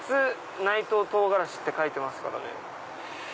内藤とうがらし」って書いてますからね。